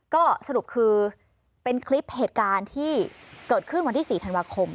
ก็สรุปคือเป็นคลิปเหตุการณ์ที่เกิดขึ้นวันที่๔ธันวาคม